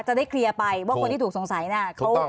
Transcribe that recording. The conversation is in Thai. จะได้เคลียร์ไปว่าคนที่ถูกสงสัยเนี่ย